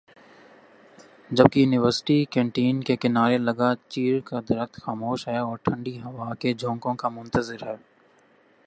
جبکہ university canteen کے کنارے لگا چیڑ کا درخت خاموش ہےاور ٹھنڈی ہوا کے جھونکوں کا منتظر ہے